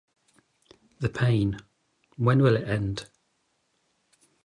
The Pain - When Will It End?